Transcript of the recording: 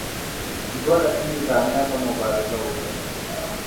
دوه لسیزې کامیابه مبارزه وکړه.